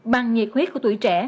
bằng nhiệt huyết của tuổi trẻ